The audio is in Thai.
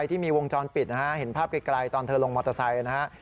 ที่มีวงจรปิดนะฮะเห็นภาพไกลตอนเธอลงมอเตอร์ไซค์นะฮะ